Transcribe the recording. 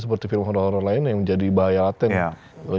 seperti film horror lain yang menjadi bahaya laten